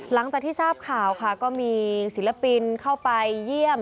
หลังจากที่ทราบข่าวค่ะก็มีศิลปินเข้าไปเยี่ยม